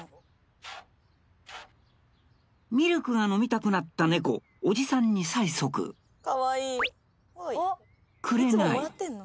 ミルクが飲みたくなった猫おじさんに催促くれない